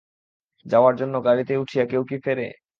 যাওয়ার জন্য গাড়িতে উঠিয়া কেউ কী ফেরে?